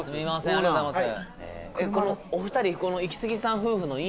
ありがとうございます